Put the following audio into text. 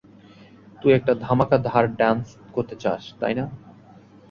তুই একটা ধামাকা ধার ডান্স করতে চাস, তাই না?